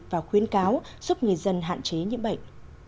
và khuyến cáo giúp người dân hạn chế nhiễm bệnh